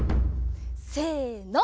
せの。